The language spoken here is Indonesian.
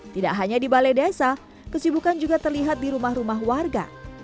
tidak hanya di balai desa kesibukan juga terlihat di rumah rumah warga